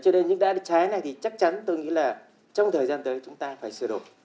cho nên những đã đi trái này thì chắc chắn tôi nghĩ là trong thời gian tới chúng ta phải sửa đổi